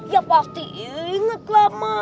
ya pasti inget lah ma